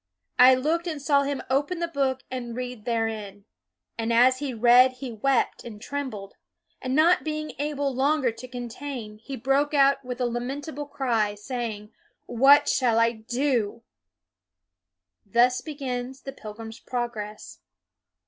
I looked and saw him open the book and read therein; and as he read he wept and trembled; and not being able longer to contain he broke out with a lamentable cry, BUNYAN 271 saying, ' What shall I do? '" Thus begins the Pilgrim's Progress.